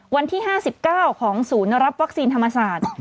วันที่๕๙ของศูนย์รับวัคซีนธรรมศาสตร์